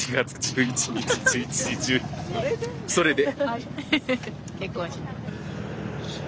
それで。